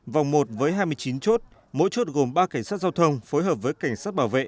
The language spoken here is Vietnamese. vòng một với hai mươi chín chốt mỗi chốt gồm ba cảnh sát giao thông phối hợp với cảnh sát bảo vệ